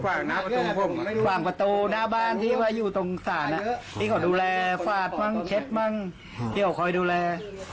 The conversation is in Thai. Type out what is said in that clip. ขวางประตูหน้าบ้านที่ว่าอยู่ตรงศาลที่เขาดูแลฝาดมั่งเช็ดมั่งที่เขาคอยดูแล